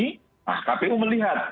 nah kpu melihat